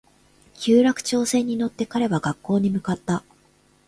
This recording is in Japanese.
有楽町線に乗って彼は学校に向かった